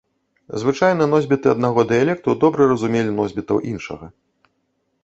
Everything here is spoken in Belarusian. Звычайна носьбіты аднаго дыялекту добра разумелі носьбітаў іншага.